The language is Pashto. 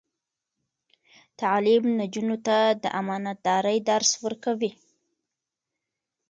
تعلیم نجونو ته د امانتدارۍ درس ورکوي.